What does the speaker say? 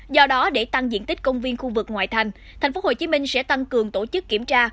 do đó để tăng diện tích công viên khu vực ngoại thành tp hcm sẽ tăng cường tổ chức kiểm tra